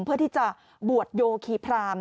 เพื่อที่จะบวชโยคีพราม